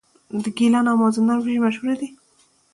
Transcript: د ګیلان او مازندران وریجې مشهورې دي.